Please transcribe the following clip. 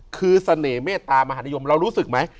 คือเสน่ห์เมตรามาหณฑศมเรารู้สึกไหม